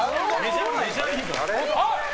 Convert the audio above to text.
メジャーリーガー。